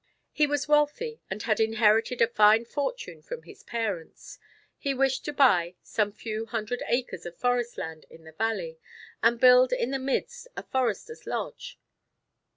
He was wealthy and had inherited a fine fortune from his parents. He wished to buy some few hundred acres of forest land in the valley, and build in the midst a forester's lodge.